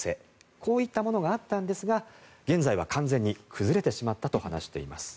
こういったものがあったんですが現在は完全に崩れてしまったと話しています。